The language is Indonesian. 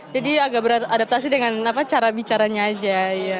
jadi agak beradaptasi dengan cara bicaranya aja